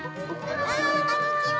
こんにちは。